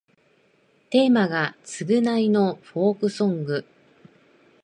テーマが償いのフォークソング